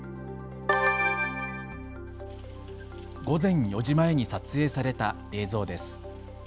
午前４時前に撮影された映像です。